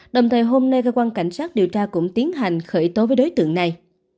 đồng thời hôm nay cơ quan cảnh sát điều tra cũng tiến hành khởi tố với đối tượng này